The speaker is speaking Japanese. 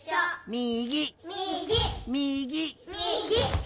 みぎ！